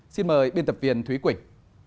xin mời biên tập viên thúy quỳnh